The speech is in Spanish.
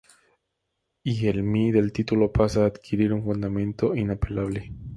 Y el "mi" del título pasa a adquirir un fundamento inapelable.